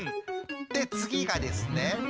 でつぎがですね。